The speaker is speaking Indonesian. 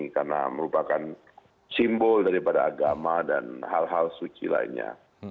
karena merupakan simbol daripada agama dan hal hal suci lainnya